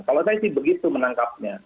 kalau saya sih begitu menangkapnya